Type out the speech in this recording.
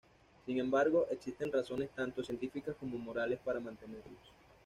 Sin embargo, existen razones tanto científicas como morales para mantenerlos.